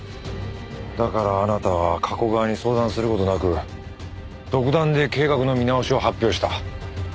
だからあなたは加古川に相談する事なく独断で計画の見直しを発表した。